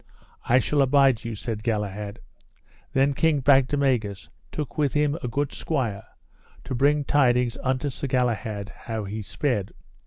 I shall abide you, said Galahad. Then King Bagdemagus took with him a good squire, to bring tidings unto Sir Galahad how he sped.